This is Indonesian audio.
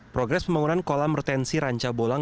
progres pembangunan kolam retensi ranca bolang